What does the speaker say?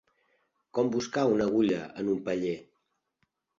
Com buscar una agulla en un paller.